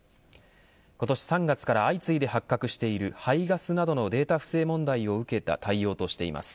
今年３月から相次いで発覚している排ガスなどのデータ不正問題を受けた対応としています。